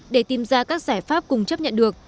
để tìm ra các giải pháp cùng chấp nhận được